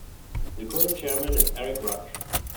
The current chairman is Eric Ruch.